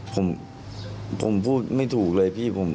ผมผมพูดไม่ถูกเลยพี่ผม